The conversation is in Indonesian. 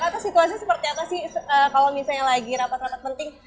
atau situasi seperti apa sih kalau misalnya lagi rapat rapat penting